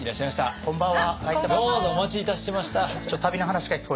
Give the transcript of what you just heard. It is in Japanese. こんばんは。